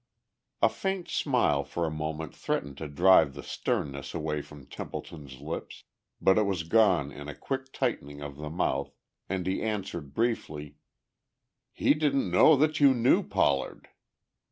A faint smile for a moment threatened to drive the sternness away from Templeton's lips. But it was gone in a quick tightening of the mouth, and he answered briefly. "He didn't know that you knew Pollard."